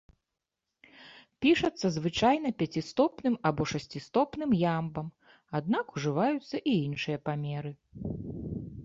Пішацца звычайна пяцістопным або шасцістопным ямбам, аднак ужываюцца і іншыя памеры.